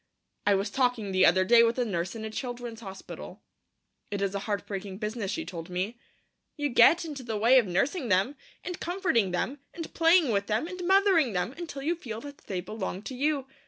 I was talking the other day with a nurse in a children's hospital. It is a heartbreaking business, she told me. 'You get into the way of nursing them, and comforting them, and playing with them, and mothering them, until you feel that they belong to you.